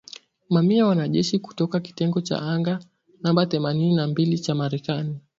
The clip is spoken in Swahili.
Mamia ya wanajeshi kutoka kitengo cha anga namba themanini na mbili cha Marekani